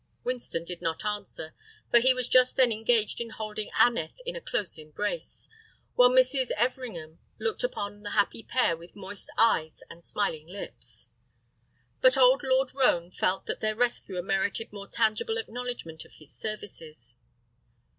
Winston did not answer, for he was just then engaged in holding Aneth in a close embrace, while Mrs. Everingham looked upon the happy pair with moist eyes and smiling lips. But old Lord Roane felt that their rescuer merited more tangible acknowledgment of his services.